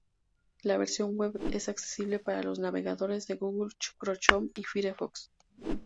La versión web es accesible para los navegadores de Google Chrome y Firefox.